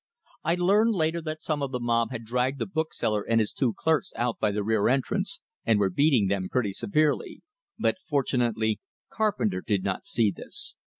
I learned later that some of the mob had dragged the bookseller and his two clerks out by the rear entrance, and were beating them pretty severely. But fortunately Carpenter did not see this.